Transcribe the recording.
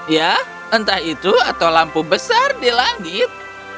ya entah itu atau lampu besar di langit